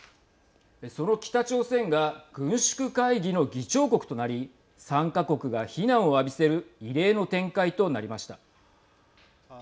その北朝鮮が軍縮会議の議長国となり参加国が非難を浴びせる異例の展開となりました。